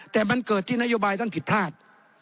แต่มันเกิดที่นโยบายท่านผิดพลาด